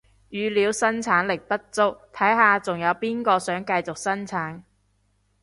語料生產力不足，睇下仲有邊個想繼續生產